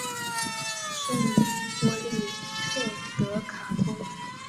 圣伊波利特德卡通。